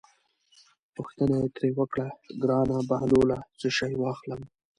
پوښتنه یې ترې وکړه: ګرانه بهلوله څه شی واخلم.